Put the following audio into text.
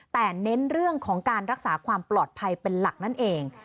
แต่เน้นเรื่องของการรักษาความปลอดภัยเป็นหลักนั่นเอง